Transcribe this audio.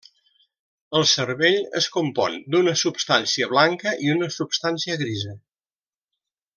El cervell es compon d'una substància blanca i una substància grisa.